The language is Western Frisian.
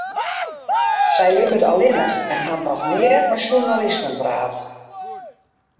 Sy libbet allinnich en hat noch nea mei sjoernalisten praat.